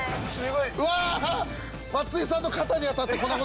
うわ！